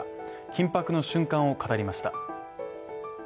緊迫の瞬間を語りました。